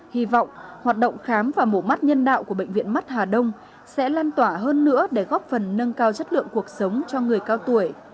hy vọng hoạt động khám và mổ mắt nhân đạo của bệnh viện mắt hà đông sẽ lan tỏa hơn nữa để góp phần nâng cao chất lượng cuộc sống cho người cao tuổi